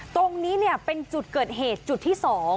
ตรงนี้เป็นจุดเกิดเหตุจุดที่๒